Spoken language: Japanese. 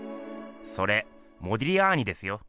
それモディリアーニですよ。